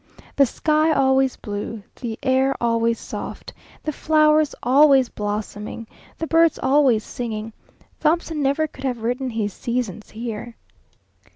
The sky always blue, the air always soft, the flowers always blossoming, the birds always singing; Thomson never could have written his "Seasons" here.